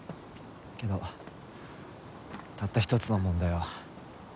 けどたった一つの問題は。